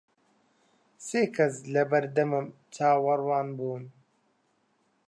سێ کەس لە بەردەمم چاوەڕوان بوون.